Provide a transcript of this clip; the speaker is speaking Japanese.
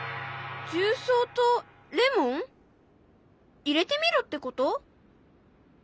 重曹とレモン？入れてみろってこと？